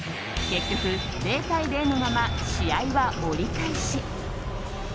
結局、０対０のまま試合は折り返し。